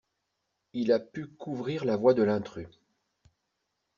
Il a pu couvrir la voix de l'intrus.